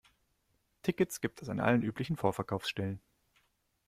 Tickets gibt es an allen üblichen Vorverkaufsstellen.